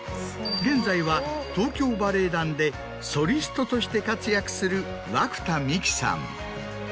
現在は東京バレエ団でソリストとして活躍する涌田美紀さん。